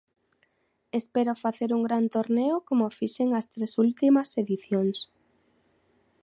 Espero facer un gran torneo como fixen as tres últimas edicións.